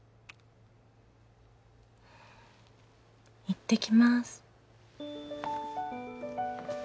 いってきます。